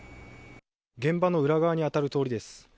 現場の裏側にあたる通りです